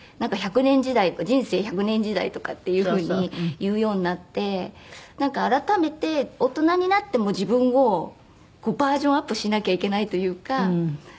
１００年時代人生１００年時代とかっていうふうに言うようになってなんか改めて大人になっても自分をバージョンアップしなきゃいけないというか。